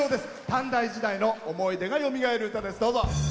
短大時代の思い出がよみがえる歌です。